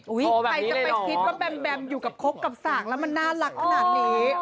ใครจะไปคิดว่าแบมแบมอยู่กับคกกับสากแล้วมันน่ารักขนาดนี้